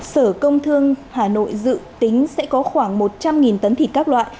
sở công thương hà nội dự tính sẽ có khoảng một trăm linh tấn thịt các loại